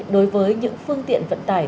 đối với những phương tiện vận tải